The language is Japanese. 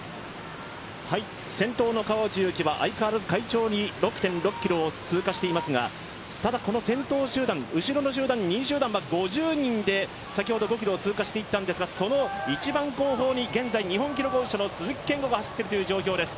先頭の川内優輝は相変わらず快調に６．６ｋｍを通過していますがただこの先頭集団、後ろの集団２位集団は５０人で先ほど５ｋｍを通過していったんですが、その一番後方に現在、日本記録保持者の鈴木健吾が走っているという状況です。